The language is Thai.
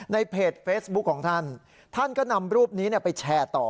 ในเพจเฟซบุ๊คของท่านท่านก็นำรูปนี้ไปแชร์ต่อ